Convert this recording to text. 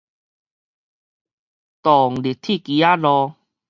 動力鐵枝仔路